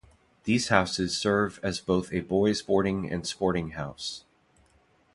These houses serve as both a boys boarding and sporting house.